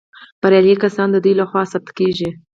بریالي کسان د دوی لخوا ثبت کیږي.